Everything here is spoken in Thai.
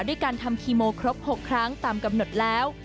ด้วยการทำคีโมครบ๖ครั้งตามกำหนดแล้ว